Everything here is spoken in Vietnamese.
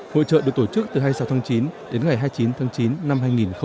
hội trợ được tổ chức từ hai mươi sáu tháng chín đến ngày hai mươi chín tháng chín năm hai nghìn một mươi chín